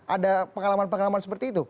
ada pengalaman pengalaman seperti itu